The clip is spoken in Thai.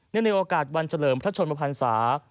เนื่องในโอกาสวันเฉลิมพระชนมพันษา